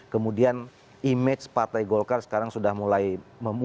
kemudian image partai golkar sekarang sudah mulai